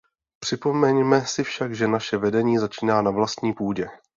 Připomeňme si však, že naše vedení začíná na vlastní půdě.